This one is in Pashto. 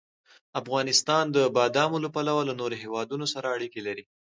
افغانستان د بادامو له پلوه له نورو هېوادونو سره اړیکې لري.